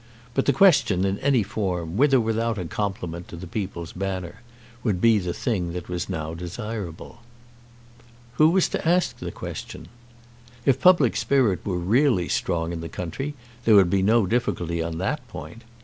But the question in any form, with or without a compliment to the "People's Banner," would be the thing that was now desirable. Who was to ask the question? If public spirit were really strong in the country there would be no difficulty on that point.